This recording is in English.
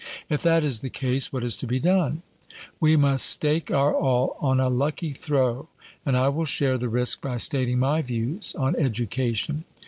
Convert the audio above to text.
'If that is the case, what is to be done?' We must stake our all on a lucky throw, and I will share the risk by stating my views on education.